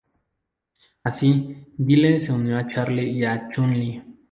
Así, Guile se unió a Charlie y a Chun-Li.